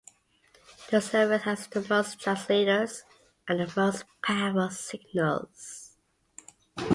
The service has the most translators and the most powerful signals.